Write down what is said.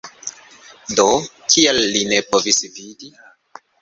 Do, kial li ne povis vidi?